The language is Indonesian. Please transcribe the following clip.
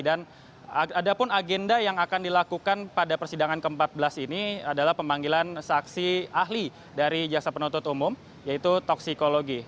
dan ada pun agenda yang akan dilakukan pada persidangan ke empat belas ini adalah pemanggilan saksi ahli dari jasa penuntut umum yaitu toksikologi